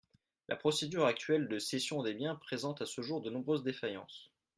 La procédure actuelle de cession des biens présente à ce jour de nombreuses défaillances.